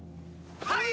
はい！